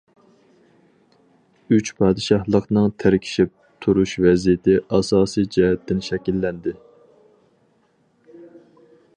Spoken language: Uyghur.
ئۈچ پادىشاھلىقنىڭ تىركىشىپ تۇرۇش ۋەزىيىتى ئاساسىي جەھەتتىن شەكىللەندى.